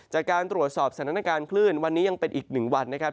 จากการตรวจสอบสถานการณ์คลื่นวันนี้ยังเป็นอีก๑วันนะครับ